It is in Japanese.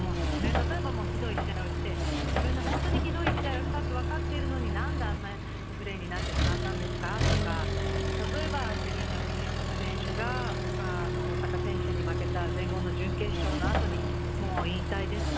例えばもうひどい試合をして、自分で本当にひどい試合をしたって分かっているのに、なんであんなプレーになってしまったんですかとか、例えばセリーナ・ウィリアム選手が大坂選手に負けた全豪の準決勝のあとに、もう引退ですか？